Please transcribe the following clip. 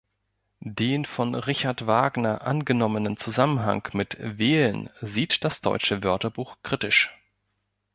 Den von Richard Wagner angenommenen Zusammenhang mit "wählen" sieht das "Deutsche Wörterbuch" kritisch.